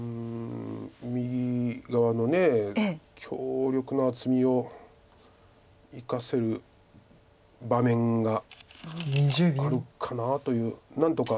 右側の強力な厚みを生かせる場面があるかなという何とか作りたいですよね。